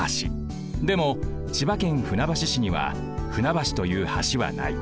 でも千葉県船橋市には船橋という橋はない。